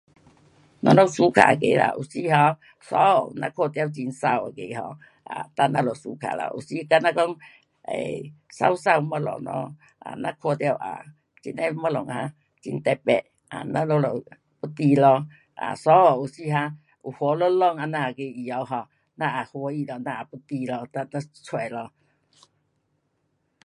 咱们 suka 那个啊，有时 um 衣物咱看到很美那个 um 啊，哒咱们 suka 啦，有时好像讲美美的东西咯，咱看到这样的东西哈很特别啊咱们就要有咯。啊，衣物有时哈有花绿绿这样的衣物 um 咱也欢喜咯，咱也要有咯，就找咯。